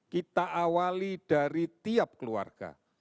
kita awali dari tiap keluarga